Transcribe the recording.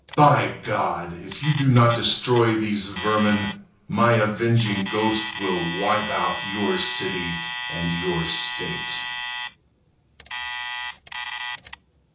By God! If you do not destroy these vermin My avenging ghost will wipe out Your city and your state.